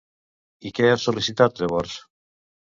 I què ha sol·licitat, llavors?